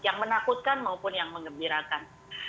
yang menakutkan maupun yang mengembirakan